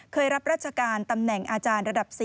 รับราชการตำแหน่งอาจารย์ระดับ๔